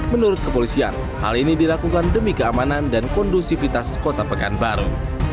menurut kepolisian hal ini dilakukan demi keamanan dan kondusivitas kota pekanbaru